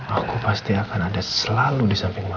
aku pasti akan ada selalu disamping mama